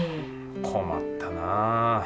困ったな。